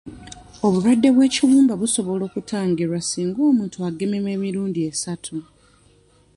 Obulwadde bw'ekibumba busobola okutangirwa singa omuntu agemebwa emirundi esatu